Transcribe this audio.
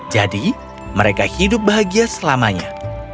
jadi mereka hidup bahagia selamanya